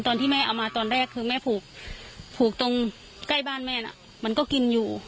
ตอนที่แม่เอามาตอนแรกคือแม่ผูกตรงใกล้บ้านแม่น่ะมันก็กินอยู่